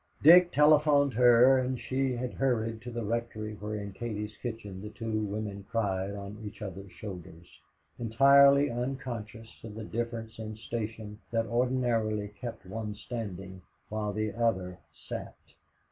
Dick telephoned her, and she had hurried to the rectory where in Katie's kitchen the two women cried on each other's shoulders, entirely unconscious of the difference in station that ordinarily kept one standing while the other sat!